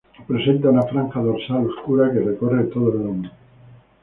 Presentan una franja dorsal oscura que recorre todo el lomo.